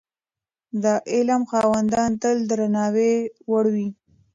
د علم خاوندان تل د درناوي وړ وي.